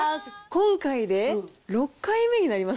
今回で６回目になります？